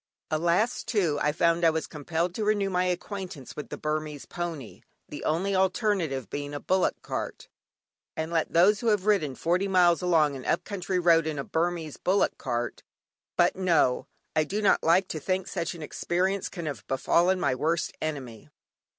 Alas! too, I found I was compelled to renew my acquaintance with the Burmese pony, the only alternative being a bullock cart; and let those who have ridden forty miles along an up country road in a Burmese bullock cart but no! I do not like to think such an experience can have befallen my worst enemy.